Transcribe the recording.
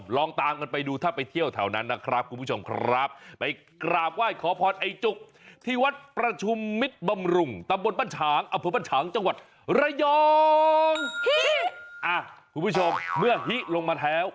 ลองตามกันไปดูถ้าไปเที่ยวเท่านั้นครับครับนะครับคุณผู้ชม